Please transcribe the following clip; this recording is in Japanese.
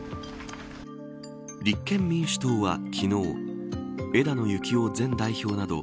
立憲民主党は昨日枝野幸男前代表など